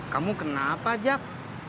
kamu kenapa jap